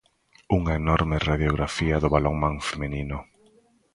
Unha enorme radiografía do balonmán feminino.